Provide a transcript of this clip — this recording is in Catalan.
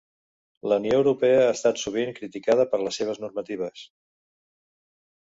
La Unió Europea ha estat sovint criticada per les seves normatives.